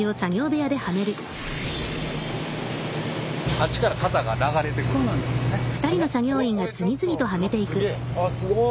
あっすごい。